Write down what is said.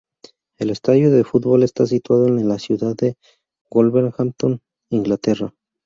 El estadio de fútbol está situado en la ciudad de Wolverhampton, Inglaterra.